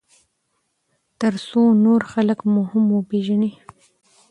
ترڅو نور خلک مو هم وپیژني.